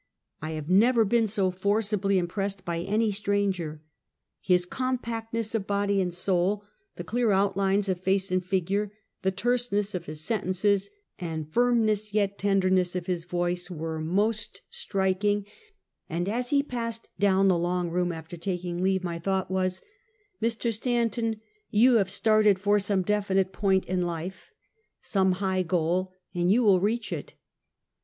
I have never been so forcibly impressed by any stranger. His compactness of body and soul, the clear outlines of face and figure, the terseness of his sentences, and firmness yet tenderness of his voice, were most strik Pittsburg Satueday Yisitee. 105 ing; and as he passed down the long room after tak ing leave my thought was: " Mr. Stanton jou have started for some definite point in life, some high goal, and you will reach it."